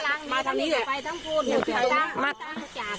คนที่หายตัวเนี้ยหายตัวเนี้ยมาทางนี้เนี้ย